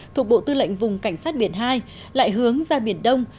thuộc bộ tư lệnh vùng cảnh sát biển hai lại hướng ra biển đông